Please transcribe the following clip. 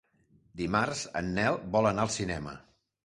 Dimarts en Nel vol anar al cinema.